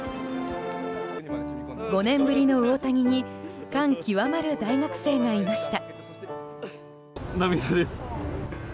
５年ぶりの大谷に感極まる大学生がいました。